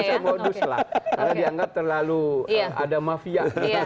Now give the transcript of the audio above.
karena dianggap terlalu ada mafia